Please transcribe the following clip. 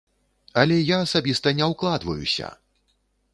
Але я асабіста не ўкладваюся!